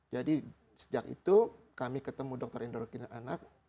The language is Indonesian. jadi sejak itu kami ketemu dokter endokrin anak